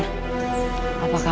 apakah aku bisa menjagamu